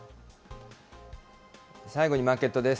最後にマーケットです。